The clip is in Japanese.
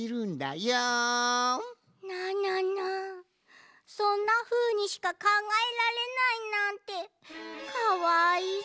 なななそんなふうにしかかんがえられないなんてかわいそう。